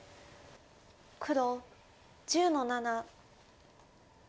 黒１０の七。